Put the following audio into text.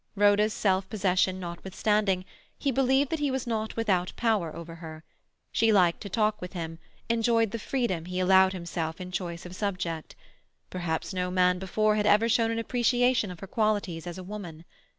Rhoda's self possession notwithstanding, he believed that he was not without power over her. She liked to talk with him, enjoyed the freedom he allowed himself in choice of subject. Perhaps no man before had ever shown an appreciation of her qualities as woman.